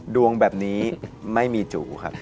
ดวงแบบนี้ไม่มีจูครับ